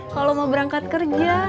kalau mau berangkat kerja